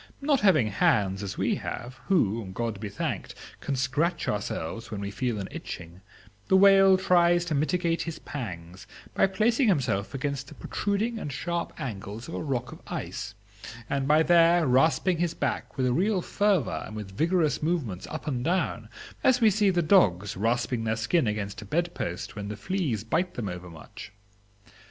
Not having hands as we have, who, God be thanked, can scratch ourselves when we feel an itching, the whale tries to mitigate his pangs by placing himself against the protruding and sharp angles of a rock of ice, and by there rasping his back with a real fervor and with vigorous movements up and down, as we see the dogs rasping their skin against a bed post when the fleas bite them overmuch.